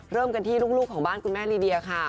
เริ่มกันที่ลูกของบ้านคุณแม่ลีเดียค่ะ